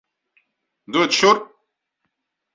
Dod šurp!